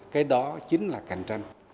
cái đó chính là cạnh tranh